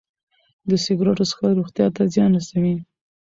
د سګرټو څښل روغتیا ته زیان رسوي.